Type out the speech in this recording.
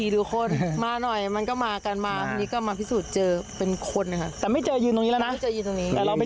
ตอนนี้ก็มาพิสูจน์เจอเป็นคนแต่ไม่เจอยืนตรงนี้แล้วนะ